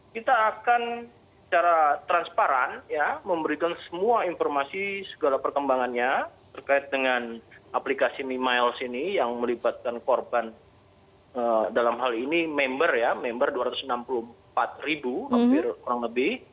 kita akan secara transparan memberikan semua informasi segala perkembangannya terkait dengan aplikasi mimiles ini yang melibatkan korban dalam hal ini member ya member dua ratus enam puluh empat ribu hampir kurang lebih